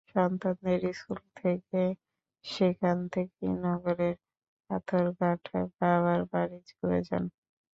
সন্তানদের স্কুলে দিয়ে সেখান থেকেই নগরের পাথরঘাটায় বাবার বাড়ি চলে যান।